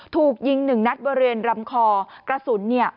ถูกยิง๑นัดเบอร์เรนรำคอกระสุนเนี่ย